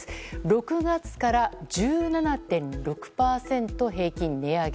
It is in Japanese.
６月から１７．６％平均値上げ。